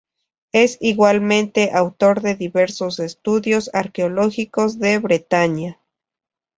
Es igualmente autor de diversos estudios arqueológicos de Bretaña.